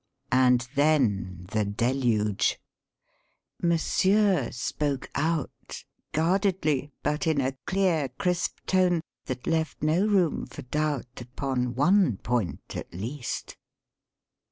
And then, the deluge! "Monsieur" spoke out guardedly, but in a clear, crisp tone that left no room for doubt upon one point, at least.